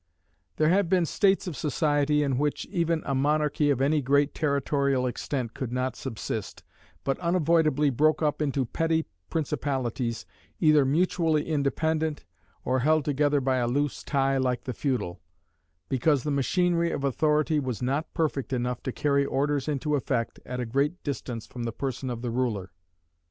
There have been states of society in which even a monarchy of any great territorial extent could not subsist, but unavoidably broke up into petty principalities, either mutually independent, or held together by a loose tie like the feudal: because the machinery of authority was not perfect enough to carry orders into effect at a great distance from the person of the ruler.